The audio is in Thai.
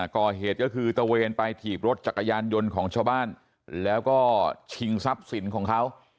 ก่อเหตุก็คือตะเวนไปถีบรถจักรยานยนต์ของชาวบ้านแล้วก็ชิงทรัพย์สินของเขา